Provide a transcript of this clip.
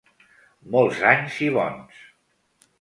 Molts anys i bons.